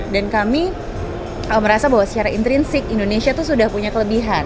dan kami merasa bahwa secara intrinsik indonesia itu sudah punya kelebihan